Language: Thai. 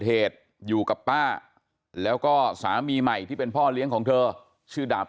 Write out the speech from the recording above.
เหตุอยู่กับป้าแล้วก็สามีใหม่ที่เป็นพ่อเลี้ยงของเธอชื่อดาบ